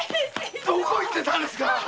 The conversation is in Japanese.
どこへ行ってたんですか！